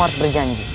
kamu harus berjanji